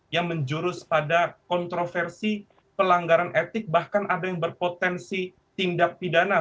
yang menjurus pada kontroversi pelanggaran etik bahkan ada yang berpotensi tindak pidana